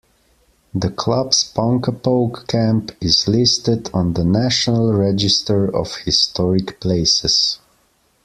The Club's Ponkapoag Camp is listed on the National Register of Historic Places.